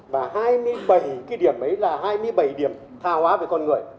và hai mươi bảy cái điểm ấy là hai mươi bảy điểm tha hóa về con người